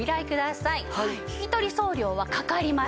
引き取り送料はかかりません。